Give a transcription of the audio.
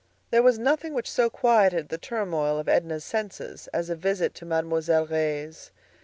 There was nothing which so quieted the turmoil of Edna's senses as a visit to Mademoiselle Reisz.